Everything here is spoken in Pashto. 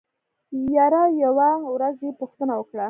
يره يوه ورځ يې پوښتنه وکړه.